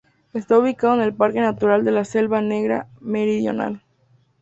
Está ubicado en el parque natural de la Selva Negra Meridional.